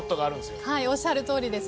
おっしゃるとおりです。